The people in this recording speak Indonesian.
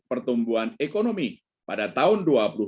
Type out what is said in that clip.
pertumbuhan ekonomi pada tahun